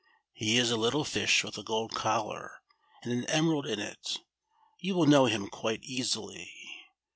He is a little fish with a gold collar and an emerald in it : you will know him quite easily.